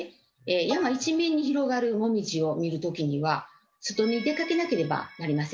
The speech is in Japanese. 山一面に広がるもみじを見る時には外に出かけなければなりませんね。